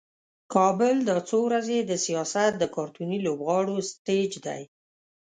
کابل دا څو ورځې د سیاست د کارتوني لوبغاړو سټیج دی.